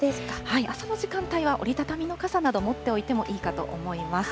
朝の時間帯は折り畳みの傘などを持っておいてもいいかと思います。